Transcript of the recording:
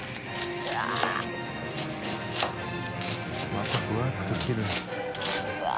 また分厚く切るなぁ。